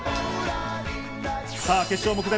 さぁ、決勝目前。